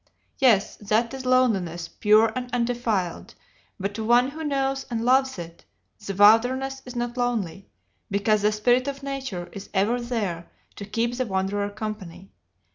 Yes, that is loneliness pure and undefiled; but to one who knows and loves it, the wilderness is not lonely, because the spirit of nature is ever there to keep the wanderer company.